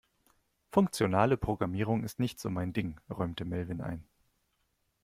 Funktionale Programmierung ist nicht so mein Ding, räumte Melvin ein.